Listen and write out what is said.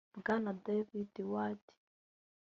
bwana ‘David Ward’